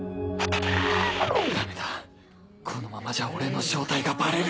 ダメだこのままじゃ俺の正体がバレる！